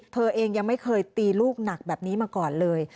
เธอเองยังไม่เคยตีลูกหนักแบบนี้มาก่อนเลย